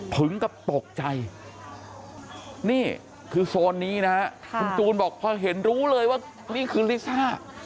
ถึงกับตกใจนี่คือโซนนี้นะฮะคุณจูนบอกพอเห็นรู้เลยว่านี่คือลิซ่า